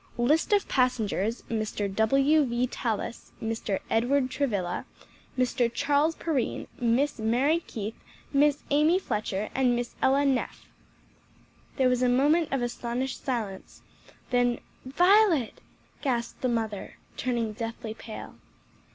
List of passengers, Mr. W. V. Tallis, Mr. Edward Travilla, Mr. Charles Perrine, Miss Mary Keith, Miss Amy Fletcher, and Miss Ella Neff." There was a moment of astonished silence, then "Violet!" gasped the mother, turning deathly pale.